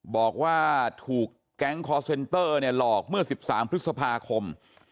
บอกว่าถูกแก๊งคอร์เซนเตอร์เนี่ยหลอกเมื่อ๑๓พฤษภาคม